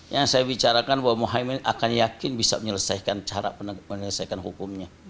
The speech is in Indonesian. yang saya bicarakan bahwa mohaimin akan yakin bisa menyelesaikan cara menyelesaikan hukumnya